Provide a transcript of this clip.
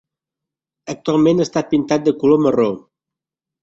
Actualment està pintada de color marró.